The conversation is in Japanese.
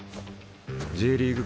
Ｊリーグ